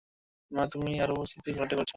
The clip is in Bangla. মা, তুমি আরো পরিস্থিতি ঘোলাটে করছ!